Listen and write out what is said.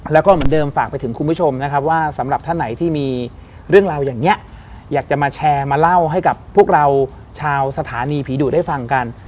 แล้วก็เหมือนเดิมฝากไปถึงคุณผู้ชมนะครับว่าสำหรับท่านไหนที่มีเรื่องราวอย่างนี้อยากจะมาแชร์มาเล่าให้กับพวกเราชาวสถานีผีดุได้ฟังกัน